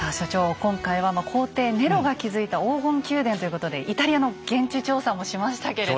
今回は皇帝ネロが築いた黄金宮殿ということでイタリアの現地調査もしましたけれど。